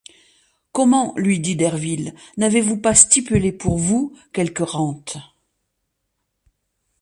Comment, lui dit Derville, n’avez-vous pas stipulé pour vous quelque rente?